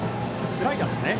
スライダーですね。